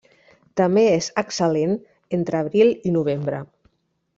També és excel·lent entre abril i novembre.